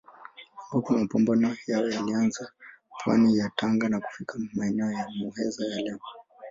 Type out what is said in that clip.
Ambapo mapambano yao yalianza pwani ya Tanga na kufika maeneo ya Muheza ya leo.